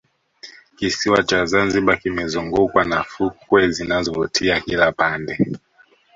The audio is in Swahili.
kisiwa cha zanzibar kimezungukwa na fukwe zinazovutia kila pande